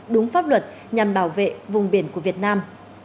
đúng pháp luật nhằm bảo vệ vùng biển của việt nam